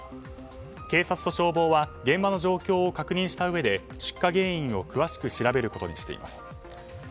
警察と消防は現場の状況を確認したうえで出火原因を詳しく調べることにしています。